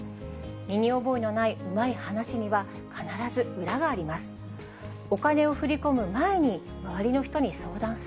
身に覚えのないうまい話には、必ず裏があります。